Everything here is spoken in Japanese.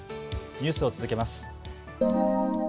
ニュースを続けます。